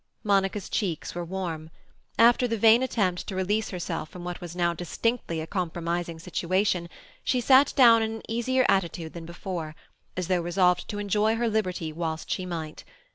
Monica's cheeks were warm. After the vain attempt to release herself from what was now distinctly a compromising situation, she sat down in an easier attitude than before, as though resolved to enjoy her liberty whilst she might.